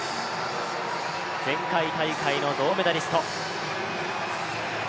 前回大会の銅メダリスト。